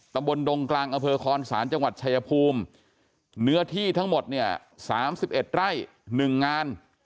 ตำบลดงกลางอำเภอคอนศาลจังหวัดชายภูมิเนื้อที่ทั้งหมดเนี่ย๓๑ไร่๑งาน